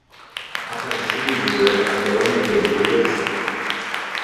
Aparecido José Adelmo de Oliveira Santos